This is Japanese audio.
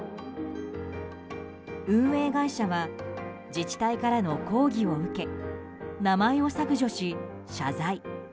運営会社は自治体からの抗議を受け名前を削除し、謝罪。